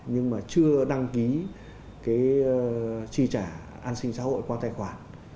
nhưng mà chưa đăng ký tri trả an sinh xã hội qua tài khoản